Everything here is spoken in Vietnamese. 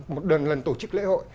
một đợt lần tổ chức lễ hội